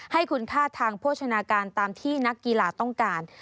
ให้คุณค่าทางโภชนาการตามที่นักกีฬาต้องการ